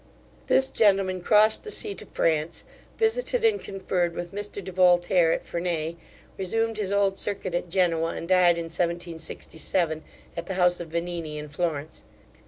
[This gentleman crossed the sea to France, visited and conferred with Mr de Voltaire at Fernay, resumed his old circuit at Genoa, and died in 1767, at the house of Vanini in Florence.